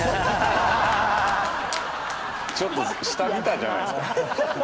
ちょっと下見たじゃないですか。